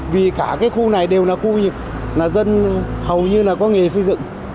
vì cả cái khu này đều là khu dân hầu như là có nghề xây dựng